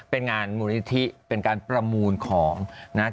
เป็นงานมูลนิธิเป็นการประมูลของนะ